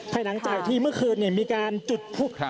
ภายนางจ่ายที่เมื่อคืนเนี่ยมีการจุดพุก